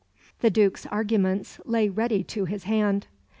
The Duke's arguments lay ready to his hand.